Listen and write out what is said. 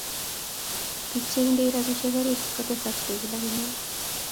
Bik cheindei rabisiek orit kotesakse kila kenyit.